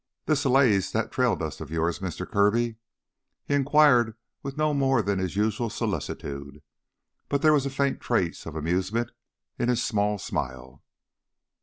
"This allays that trail dust of yours, Mr. Kirby?" He inquired with no more than usual solicitude, but there was a faint trace of amusement in his small smile.